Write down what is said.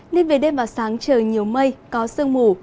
nên về đêm và sáng trời nhiều mây có sương mù